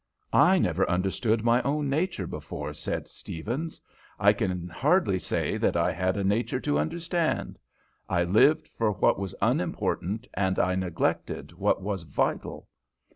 "I never understood my own nature before," said Stephens. "I can hardly say that I had a nature to understand. I lived for what was unimportant, and I neglected what was vital."